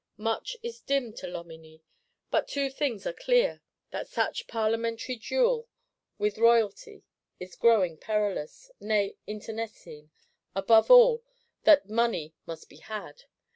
Much is dim to Loménie, but two things are clear: that such Parlementary duel with Royalty is growing perilous, nay internecine; above all, that money must be had.